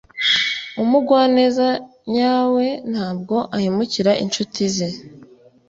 Umugwaneza nyawe ntabwo ahemukira inshuti ze.